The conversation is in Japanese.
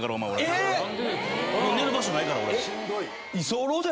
寝る場所ないから俺。